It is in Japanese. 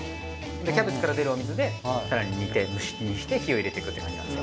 キャベツから出るお水で更に煮て蒸し煮にして火を入れていくって感じなんです。